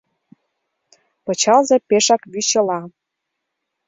Пычалзе пешак вӱчыла.